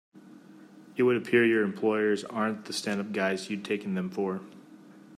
It would appear your employers aren't the stand up guys you'd taken them for.